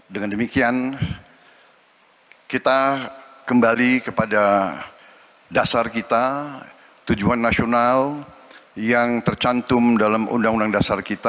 dengan demikian kita kembali kepada dasar kita tujuan nasional yang tercantum dalam undang undang dasar kita